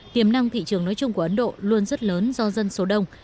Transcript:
tiềm năng thị trường nói chung của ấn độ luôn rất lớn do dân số đông